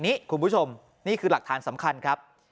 คุณผู้ชมนี่คือหลักฐานสำคัญครับ